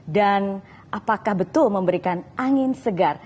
dan apakah betul memberikan angin segar